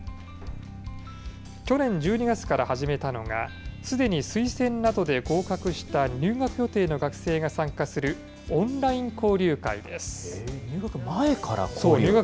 去年１２月から始めたのが、すでに推薦などで合格した入学予定の学生が参加するオンライン交入学前から交流？